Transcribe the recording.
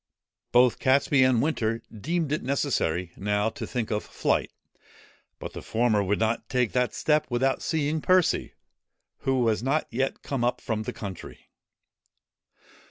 Both Catesby and Winter deemed it necessary now to think of flight; but the former would not take that step without seeing Percy, who was not yet come up from the country.